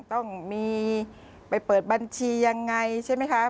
ต้องมีไปเปิดบัญชียังไงใช่ไหมคะ